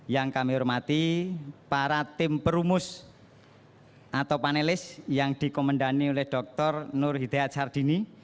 yang kami hormati para tim perumus atau panelis yang dikomendani oleh dr nur hidayat sardini